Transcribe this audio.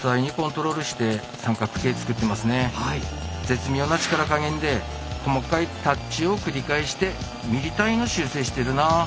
絶妙な力加減で細かいタッチを繰り返してミリ単位の修正してるなあ。